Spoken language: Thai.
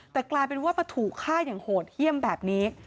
แต่กลายเป็นว่ามาถูกฆ่าอย่างโหดเยี่ยมแบบนี้